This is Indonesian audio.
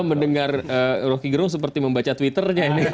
kita mendengar rocky gerung seperti membaca twitter